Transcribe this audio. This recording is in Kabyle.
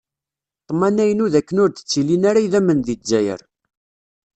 Ṭṭmna-inu d akken ur d-ttilin ara idammen di Zzayer.